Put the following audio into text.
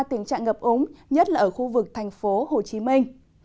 tình trạng ngập ống nhất là ở khu vực thành phố hồ chí minh